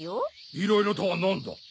いろいろとはなんだ？